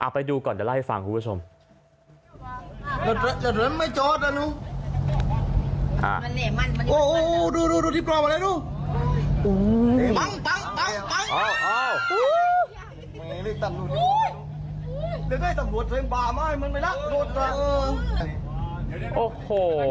ไปดูก่อนเดี๋ยวเล่าให้ฟังคุณผู้ชม